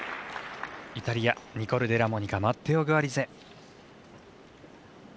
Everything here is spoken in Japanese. イタリア、ニコル・デラモニカマッテオ・グアリゼ。